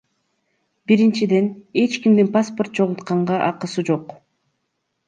Биринчиден, эч кимдин паспорт чогултканга акысы жок.